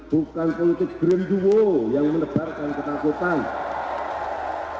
bukan politik kanderuo yang menebarkan ketakutan